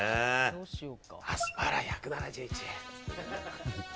アスパラ１７１円！